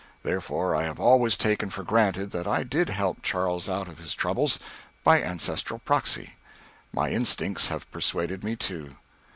Therefore I have always taken for granted that I did help Charles out of his troubles, by ancestral proxy. My instincts have persuaded me, too.